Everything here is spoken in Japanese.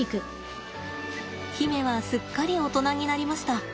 媛はすっかり大人になりました。